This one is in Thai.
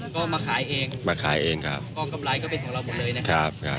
ก็มาขายเองมาขายเองครับก็กำไรก็เป็นของเราหมดเลยนะครับครับ